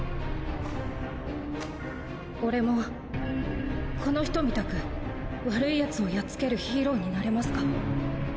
俺もこの人みたく悪い奴をやっつけるヒーローになれますか？